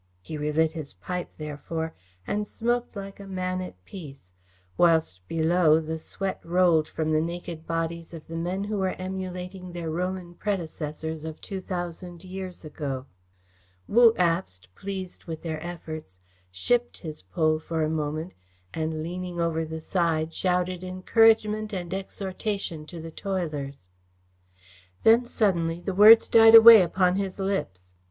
He relit his pipe, therefore, and smoked like a man at peace, whilst below the sweat rolled from the naked bodies of the men who were emulating their Roman predecessors of two thousand years ago. Wu Abst, pleased with their efforts, shipped his pole for a moment, and, leaning over the side, shouted encouragement and exhortation to the toilers. Then suddenly the words died away upon his lips.